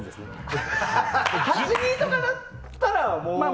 ８：２とかだったら？